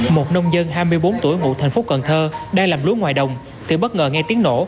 một nông dân hai mươi bốn tuổi ngụ thành phố cần thơ đang làm lúa ngoài đồng thì bất ngờ nghe tiếng nổ